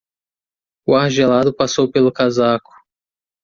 O ar gelado passou pelo casaco.